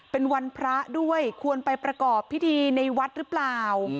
เป็นวันพระด้วยควรไปประกอบพิธีในวัดหรือเปล่า